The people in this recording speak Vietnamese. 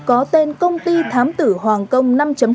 có tên công ty thám tử hoàng công